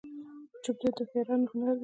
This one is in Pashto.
چوپتیا، د هوښیارانو هنر دی.